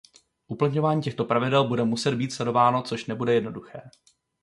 Uplatňování těchto pravidel bude muset být sledováno, což nebude jednoduché.